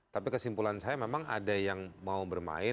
tapi kesimpulan saya memang ada yang mau bermain